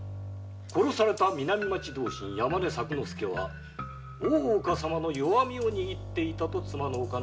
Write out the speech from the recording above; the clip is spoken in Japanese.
殺された南町同心・山根作之助は大岡様の弱みを握っていたと妻のおかのが申しています。